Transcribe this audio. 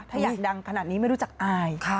ถ้าอยากดังขนาดนี้ไม่รู้จักอาย